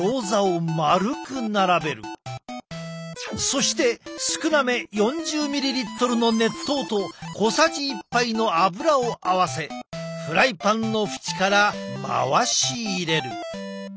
そして少なめ４０ｍｌの熱湯と小さじ１杯の油を合わせフライパンの縁から回し入れる。